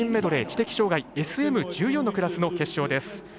知的障がいＳＭ１４のクラスの決勝です。